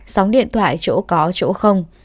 sóng điện thoại chỗ có chỗ không